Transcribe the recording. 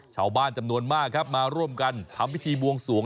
ชาวบ้านจำนวนมากครับมาร่วมกันทำพิธีบวงสวง